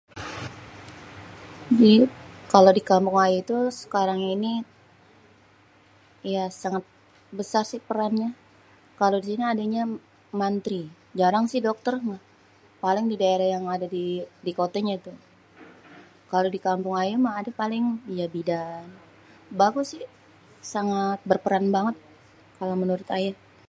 Jadi kalo di kampung ayé tuh sekarang ini ya sangat besar sih perannya. Kalo di sini adanya mantri, jarang sih dokter. Paling di daerah yang ada di kotanyé gitu. Kalo di kampung ayé mah ada paling ya bidan, bagus sih sangat berperan banget kalo menurut ayé.